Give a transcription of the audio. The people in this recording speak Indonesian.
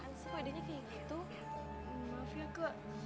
fadalnya kayak gitu maaf ya kak